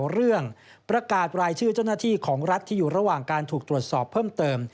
เรื่องประกาศรายชื่อเจ้าหน้าที่ของรัฐที่อยู่ระหว่างการถูกตรวจสอบเพิ่มเติม